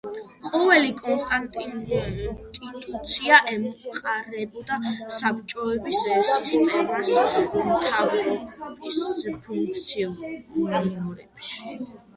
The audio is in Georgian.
ყოველი კონსტიტუცია ემყარებოდა საბჭოების სისტემას მთავრობის ფუნქციონირებაში.